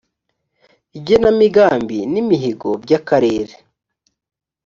igenamigambi n imihigo by akarere